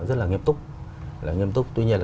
rất là nghiêm túc tuy nhiên là